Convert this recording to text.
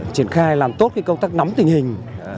triển khai làm tốt công tác nắm tình hình